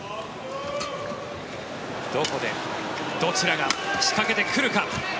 どこでどちらが仕掛けてくるか。